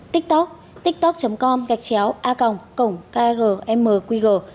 tiktok tiktok com gạch chéo a cổng cổng k g m q g